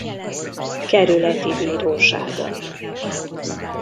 Kerületi Bíróságon.